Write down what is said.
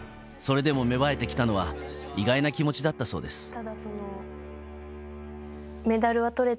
それでも芽生えてきたのは意外な気持ちだったそうです。